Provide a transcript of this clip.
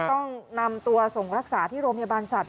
ต้องนำตัวส่งรักษาที่โรงพยาบาลสัตว